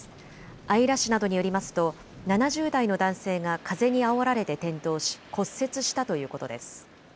姶良市などによりますと７０代の男性が風にあおられて転倒し骨折したということです。